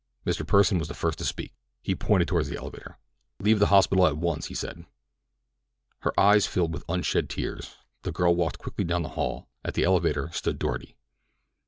Mr. Pursen was the first to speak. He pointed toward the elevator. "Leave the hospital at once," he said. Her eyes filled with unshed tears, the girl walked quickly down the hall. At the elevator stood Doarty.